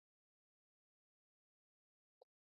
زرکشان دغزني پهمفر کې د يوۀ غرۀ نوم دی.